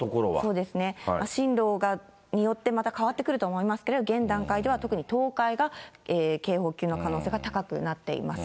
そうですね、進路によって、また変わってくると思いますけれども、現段階では特に東海が警報級の可能性が高くなっています。